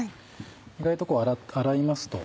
意外と洗いますと。